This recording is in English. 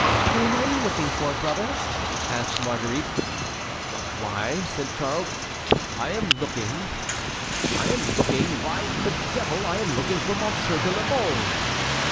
"Whom are you looking for, brother?" asked Marguerite. "Why," said Charles, "I am looking—I am looking—why, the devil! I am looking for Monsieur de la Mole."